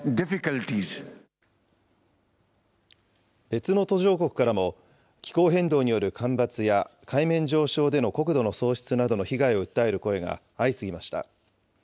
別の途上国からも、気候変動による干ばつや海面上昇での国土の喪失などの被害を訴える声が相次ぎました。